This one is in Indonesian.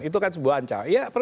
itu kan sebuah ancaman